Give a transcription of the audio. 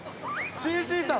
ＣＣさん。